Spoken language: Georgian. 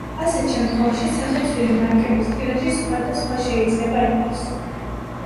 ასეთ შემთხვევაში სახეცვლილი მარკების ტირაჟი სხვა და სხვა შეიძლება იყოს.